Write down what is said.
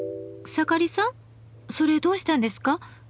草刈さんそれどうしたんですか？